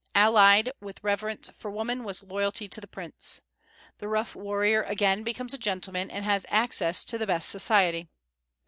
Allied with reverence for woman was loyalty to the prince. The rough warrior again becomes a gentleman, and has access to the best society.